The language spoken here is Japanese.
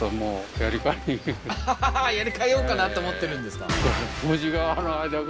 ははははっやり替えようかなって思ってるんですか